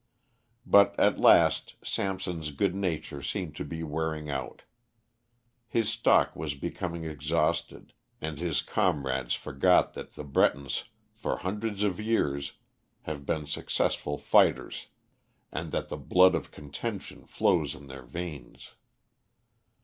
But at last Samson's good nature seemed to be wearing out. His stock was becoming exhausted, and his comrades forgot that the Bretons for hundreds of years have been successful fighters, and that the blood of contention flows in their veins.